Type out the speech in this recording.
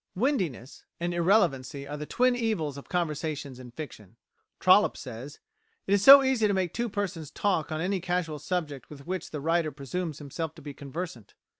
"Windiness" and irrelevancy are the twin evils of conversations in fiction. Trollope says, "It is so easy to make two persons talk on any casual subject with which the writer presumes himself to be conversant!